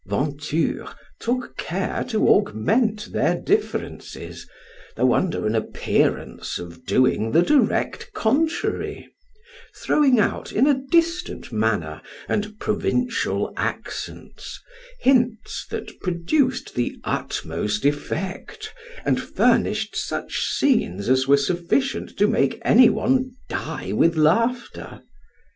Venture took care to augment their differences, though under an appearance of doing the direct contrary, throwing out in a distant manner, and provincial accents, hints that produced the utmost effect, and furnished such scenes as were sufficient to make any one die with laughter.